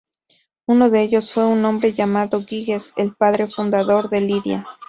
Uno de ellos fue un hombre llamado Giges, el padre fundador de Lidia.